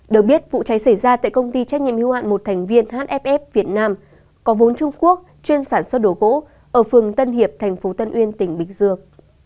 được biết vụ cháy xảy ra tại công ty trách nhiệm hưu hạn một thành viên hff việt nam có vốn trung quốc chuyên sản xuất đồ gỗ ở phường tân hiệp thành phố tân uyên tỉnh bình dương